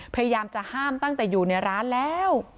พยายามจะห้ามตั้งแต่อยู่ในร้านแล้ว